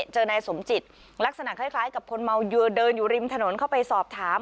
เจอนายสมจิตลักษณะคล้ายกับคนเมาเดินอยู่ริมถนนเข้าไปสอบถาม